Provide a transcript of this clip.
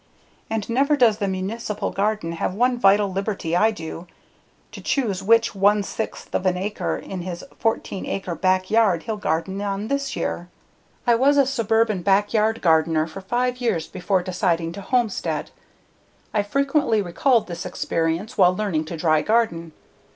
And never does the municipal gardener have one vital liberty I do: to choose which one sixth of an acre in his 14 acre "back yard" he'll garden on this year. I was a suburban backyard gardener for five years before deciding to homestead. I've frequently recalled this experience while learning to dry garden.